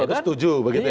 iya itu setuju begitu ya